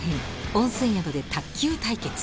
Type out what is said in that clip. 温泉宿で卓球対決。